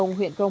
xã nguyễn phú